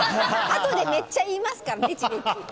あとでめっちゃ言いますからねちねち。